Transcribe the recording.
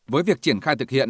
với việc triển khai thực hiện